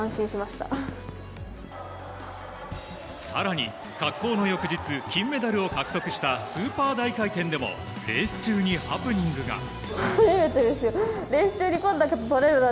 更に滑降の翌日金メダルを獲得したスーパー大回転でもレース中にハプニングが。